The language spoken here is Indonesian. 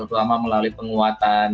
selama melalui penguatan